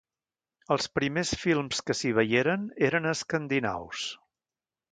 Els primers films que s'hi veieren eren escandinaus.